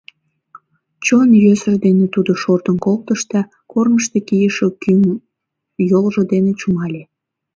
Чон йӧсыж дене тудо шортын колтыш да корнышто кийыше кӱм йолжо дене чумале.